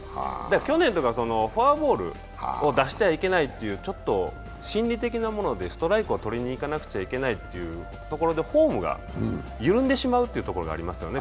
去年とかフォアボールを出してはいけないというちょっと心理的なものでストライクをとりにいかなきゃいけないとフォームが緩んでしまうっていうところがありますよね。